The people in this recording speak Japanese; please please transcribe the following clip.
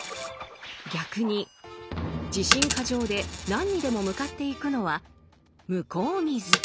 逆に自信過剰で何にでも向かっていくのは「向こう見ず」。